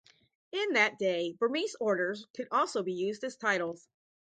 In that day, Burmese orders could be also used as titles.